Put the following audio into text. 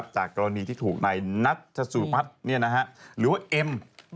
จากกรณีที่ถูกนายนัทธสุพัฒน์หรือว่าเอ็ม